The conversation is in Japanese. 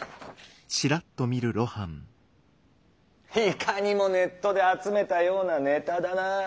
いかにもネットで集めたようなネタだなァー。